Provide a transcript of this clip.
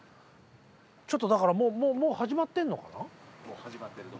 ちょっとだからもうもう始まってんのかな？